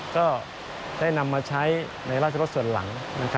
ก็ได้นำมาใช้ในราชรสส่วนหลัง